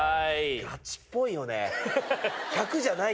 ガチっぽいよね。